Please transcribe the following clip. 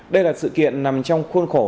đây là sự kiện nằm trong khuôn khổ